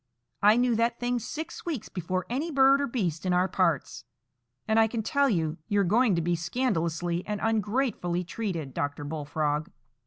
I knew that thing six weeks before any bird or beast in our parts; and I can tell you, you are going to be scandalously and ungratefully treated, Dr. Bullfrog."